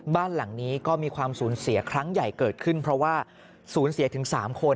บ้านหลังนี้ก็มีความสูญเสียครั้งใหญ่เกิดขึ้นเพราะว่าสูญเสียถึง๓คน